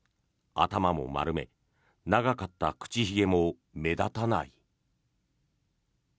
頭も丸め長かった口ひげも目立たない。